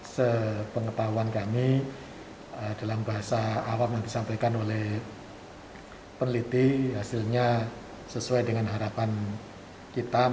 sepengetahuan kami dalam bahasa awam yang disampaikan oleh peneliti hasilnya sesuai dengan harapan kita